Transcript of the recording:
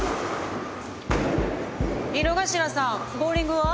井之頭さんボウリングは？